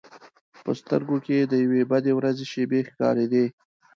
په سترګو کې یې د یوې بدې ورځې شېبې ښکارېدې.